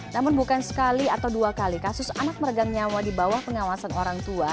namun bukan sekali atau dua kali kasus anak meregang nyawa di bawah pengawasan orang tua